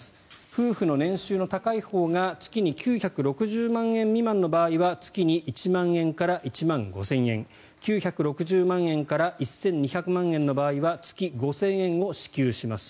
夫婦の年収の高いほうが月に９６０万円未満の場合は月に１万円から１万５０００円９６０万円から１２００万円の場合は月５０００円を支給します。